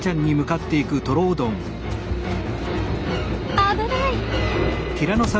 危ない！